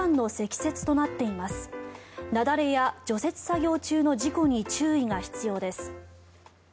雪崩や除雪作業中の事故に注意が必要です。